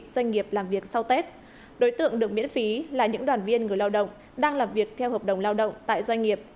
doanh nghiệp làm việc sau tết đối tượng được miễn phí là những đoàn viên người lao động đang làm việc theo hợp đồng lao động tại doanh nghiệp